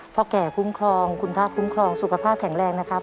พ่อแก่คุ้มครองคุณพระคุ้มครองสุขภาพแข็งแรงนะครับ